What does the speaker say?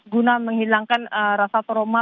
guna menghilangkan rasa trauma